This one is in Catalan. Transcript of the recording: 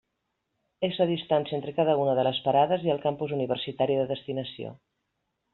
És la distància entre cada una de les parades i el campus universitari de destinació.